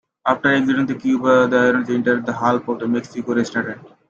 After exiting from Cuba, the hurricane entered the Gulf of Mexico and restrengthened.